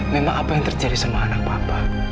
memang apa yang terjadi sama anak bapak